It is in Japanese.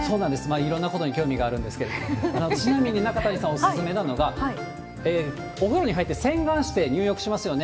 いろんなことに興味があるんですけど、ちなみに、中谷さん、お勧めなのが、お風呂に入って洗顔して入浴しますよね。